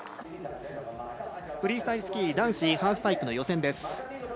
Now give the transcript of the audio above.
フリースタイルスキー男子ハーフパイプの予選です。